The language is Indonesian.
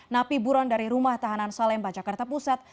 napi buron dari rumah tahanan salemba jakarta pusat